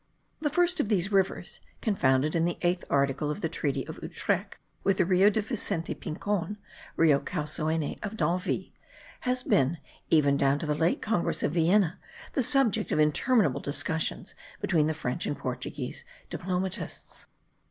The first of these rivers, confounded in the eighth article of the treaty of Utrecht with the Rio de Vicente Pincon (Rio Calsoene of D'Anville), has been, even down to the late congress of Vienna, the subject of interminable discussions between the French and Portuguese diplomatists.